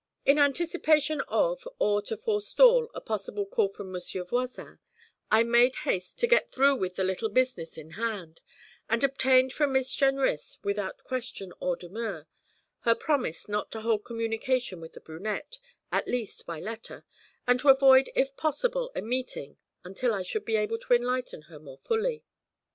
In anticipation of or to forestall a possible call from Monsieur Voisin, I made haste to get through with the little business in hand, and obtained from Miss Jenrys, without question or demur, her promise not to hold communication with the brunette, at least by letter, and to avoid if possible a meeting until I should be able to enlighten her more fully.